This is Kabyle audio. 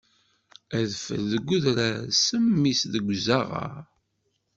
Adfel deg udrar, ssemm-is deg uẓaɣar.